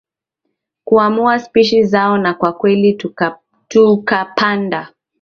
kuamua spishi zao na kwa kweli tukapanda